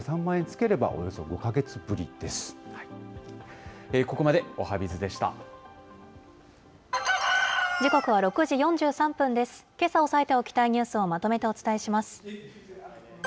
けさ押さえておきたいニュースをまとめてお伝えします。